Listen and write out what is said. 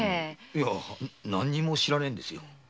何にも知らねえんですよ。